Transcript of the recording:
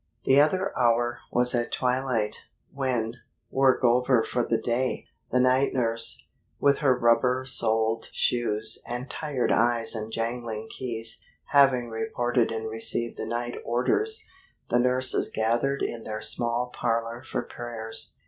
The other hour was at twilight, when, work over for the day, the night nurse, with her rubber soled shoes and tired eyes and jangling keys, having reported and received the night orders, the nurses gathered in their small parlor for prayers.